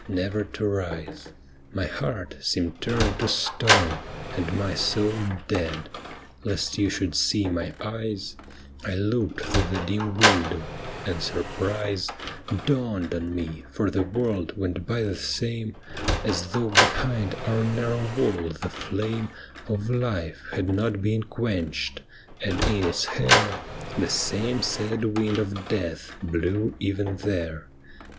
Never to rise. My heart seemed turned to stone, And my soul dead. Lest you should see my eyes I looked through the dim window, and surprise Dawned on me, for the world went by the same As though behind our narrow wall the flame Of life had not been quenched, and in its hair The same sad wind of death blew even there.